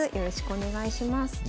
お願いします。